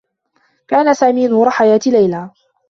كان سامي نور حياة ليلى.